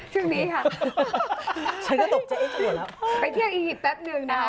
ช่วงนี้ค่ะฉันก็ตกใจไอ้ขวดแล้วไปเที่ยวอียิปต์แป๊บนึงนะคะ